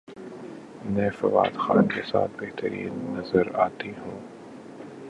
میں فواد خان کے ساتھ بہترین نظر اتی ہوں